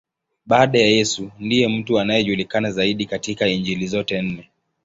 Baada ya Yesu, ndiye mtu anayejulikana zaidi katika Injili zote nne.